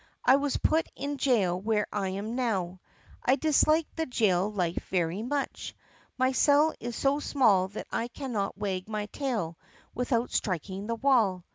I was put in jail where I now am. I dislike the jail life very much. My cell is so small that I cannot wag my tail without striking the wall.